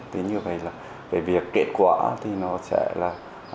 thế như vậy là việc kết quả thì nó sẽ là